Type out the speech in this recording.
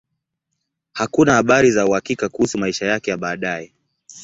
Hakuna habari za uhakika kuhusu maisha yake ya baadaye.